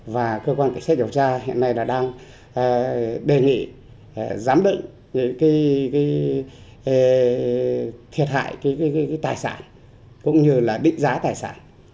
và cơ quan cảnh sát điều tra hiện nay là đang đề nghị giám định những thiệt hại cái tài sản cũng như là định giá tài sản